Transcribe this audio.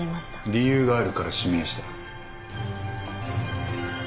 理由があるから指名した。